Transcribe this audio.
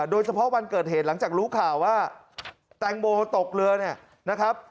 วันเกิดเหตุหลังจากรู้ข่าวว่าแตงโมตกเรือเนี่ยนะครับ